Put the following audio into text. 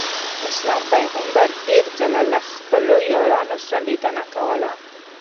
اسلام پیغمبر ډېر ځله له خپلو یارانو سره لیدنه کوله.